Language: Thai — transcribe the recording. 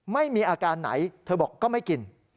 ไม่มีอาการไหนเธอบอกก็ไม่กิน